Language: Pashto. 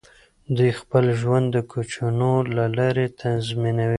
دوی خپل ژوند د کوچونو له لارې تنظیموي.